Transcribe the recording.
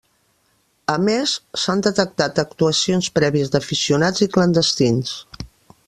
A més, s'han detectat actuacions prèvies d'aficionats i clandestins.